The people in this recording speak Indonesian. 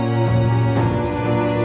mbak mbak mbak